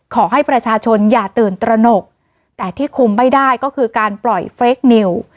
ขอให้ประชาชนอย่าตื่นตระหนกแต่ที่คุมไม่ได้ก็คือการปล่อยเฟรคนิว